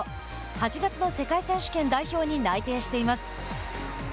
８月の世界選手権代表に内定しています。